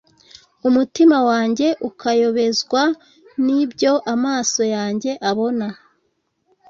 umutima wanjye ukayobezwa n’ibyo amaso yanjye abona